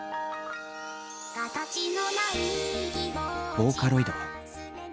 「ボーカロイド」。